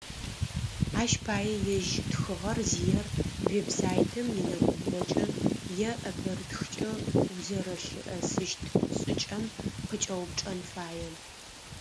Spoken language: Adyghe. Ащ пае ежь тхыгъэр зиер веб-сайтым инэкӏубгъокӏэ, е ӏэпэрытхкӏэ узэрэлъыӏэсыщт шӏыкӏэм къыкӏэупчӏэн фае.